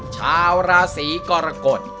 ชาวราศีกรกฎ